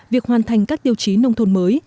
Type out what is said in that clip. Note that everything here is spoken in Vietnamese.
việc hoàn thành các tiêu chí nông thôn mới